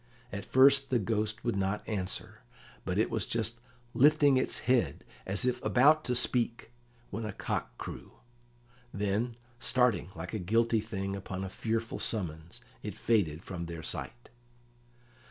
At first the Ghost would not answer, but it was just lifting its head as if about to speak, when a cock crew; then, starting like a guilty thing upon a fearful summons, it faded from their sight.